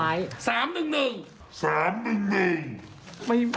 ไม่สนใจด้วยดูสิ